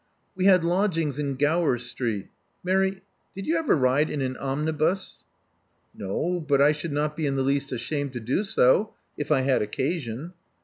We had lodgings in Gower Street. Mary, did you ever ride in an omnibus?" '*No. But I should not be in the least ashamed to do so if I had occasion."